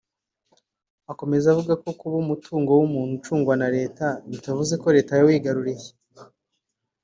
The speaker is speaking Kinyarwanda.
Akomeza avuga ko kuba umutungo w’umuntu ucungwa na Leta bitavuze ko Leta yawigaruriye